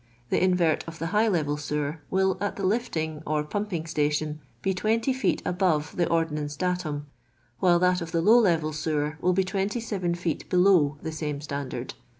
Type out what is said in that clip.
The invert of the high level sewer will at the lifting or pumping station be 20 feet above the ordnance datum, while that of the low level sewer will be 27 feet below the same standard.